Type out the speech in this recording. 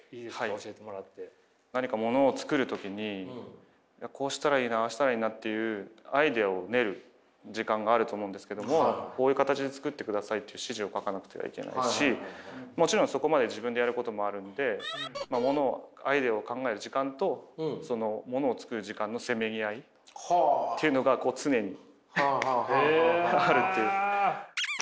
何かものを作る時にこうしたらいいなああしたらいいなっていうアイデアを練る時間があると思うんですけどもこういう形で作ってくださいっていう指示を書かなくてはいけないしもちろんそこまで自分でやることもあるのでものをアイデアを考える時間とものを作る時間のせめぎ合いっていうのが常にあるという。